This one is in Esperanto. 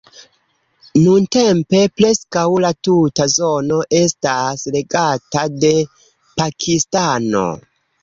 Nuntempe preskaŭ la tuta zono estas regata de Pakistano.